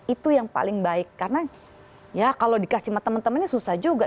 itu yang paling baik karena ya kalau dikasih sama teman temannya susah juga